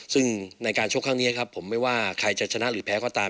ซึ่งในการชกครั้งนี้ครับผมไม่ว่าใครจะชนะหรือแพ้ก็ตาม